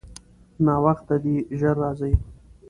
ناوخته دی، ژر راځئ.